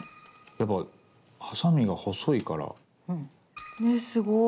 やっぱハサミが細いから。ねすごい。